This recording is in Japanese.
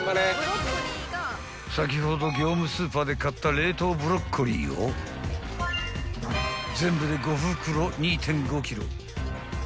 ［先ほど業務スーパーで買った冷凍ブロッコリーを全部で５袋２．５ｋｇ］